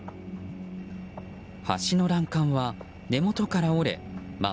橋の欄干は根元から折れ真っ